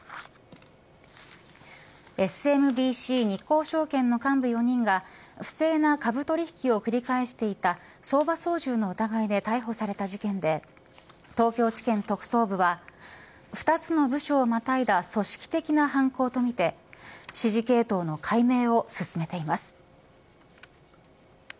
ＳＭＢＣ日興証券の幹部４人が不正な株取引を繰り返していた相場操縦の疑いで逮捕された事件で東京地検特捜部は２つの部署をまたいだ組織的な犯行とみて指示系統の解明を進めています。